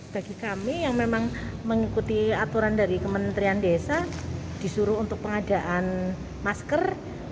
bagi kami yang memang mengikuti aturan dari kementerian desa disuruh untuk pengadaan masker